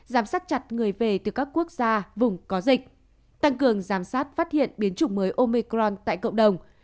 giám sát chặt người về từ các quốc gia vùng có dịch tăng cường giám sát phát hiện biến chủng mới omecron tại cộng đồng